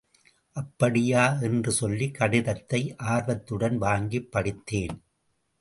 அப்படியா என்று சொல்லி கடிதத்தை ஆர்வத்துடன் வாங்கிப் படித்தேன்.